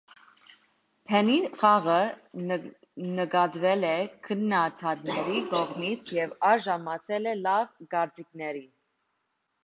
Բենի խաղը նկատվել է քննադատների կողմից և արժանացել է լավ կարծիքների։